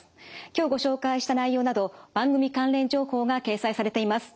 今日ご紹介した内容など番組関連情報が掲載されています。